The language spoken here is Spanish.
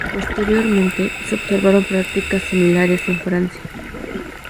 Posteriormente se observaron prácticas similares en Francia.